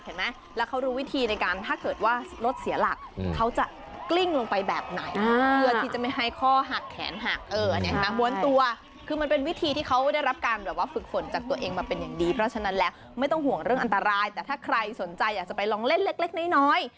เขาเรารู้วิธีในการถ้าเกิดว่ารถเสียหลักเขาจะกลิ้งลงไปเนี้ย